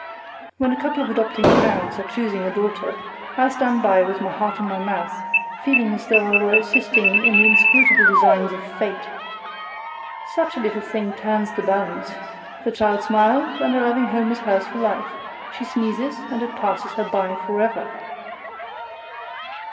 When a couple of adopting parents are choosing a daughter, I stand by with my heart in my mouth, feeling as though I were assisting in the inscrutable designs of Fate. Such a little thing turns the balance! The child smiles, and a loving home is hers for life; she sneezes, and it passes her by forever.